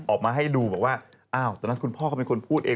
ออกมาให้ดูบอกว่าอ้าวตอนนั้นคุณพ่อเขาเป็นคนพูดเอง